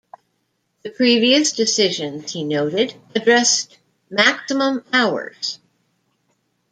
The previous decisions, he noted, addressed maximum hours.